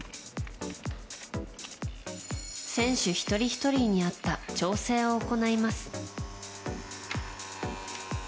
選手一人ひとりに合った調整を行います。